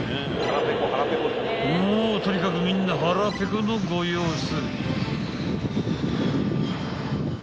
［もうとにかくみんな腹ペコのご様子］